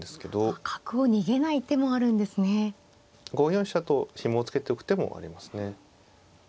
５四飛車とひもを付けておく手もありますね。